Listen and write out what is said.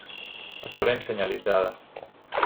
Està ben senyalitzada.